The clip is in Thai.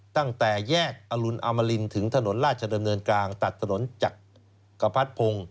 ตั้งแต่แยกอรุณอมรินถึงถนนราชดำเนินกลางตัดถนนจักรพรรพงศ์